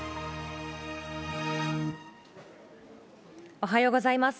おはようございます。